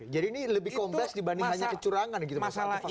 jadi ini lebih kompleks dibanding hanya kecurangan gitu masalah